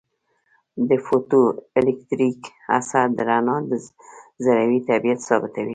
د فوټو الیټکریک اثر د رڼا ذروي طبیعت ثابتوي.